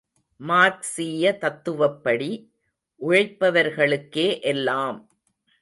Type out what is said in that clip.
மார்க்சீய தத்துவப்படி உழைப்பவர்களுக்கே எல்லாம்!